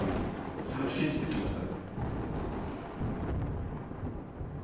それを信じてきました。